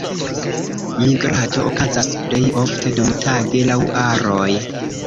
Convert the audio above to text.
Migrado okazas plej ofte dumtage laŭ aroj.